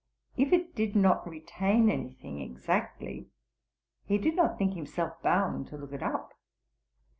If it did not retain anything exactly, he did not think himself bound to look it up.